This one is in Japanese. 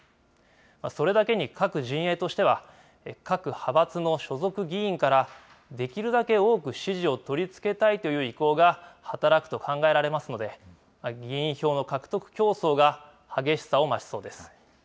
それだけに各陣営としては、各派閥の所属議員から、できるだけ多く支持を取り付けたいという意向が働くと考えられますので、議員票の獲得競争が激しさを増しそうです。